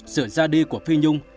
sự xa đi của phi nhung